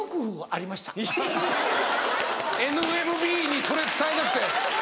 ＮＭＢにそれ伝えなくて。